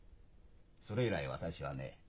それ以来私はね